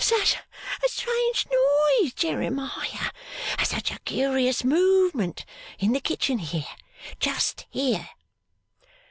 'Such a strange noise, Jeremiah, and such a curious movement. In the kitchen here just here.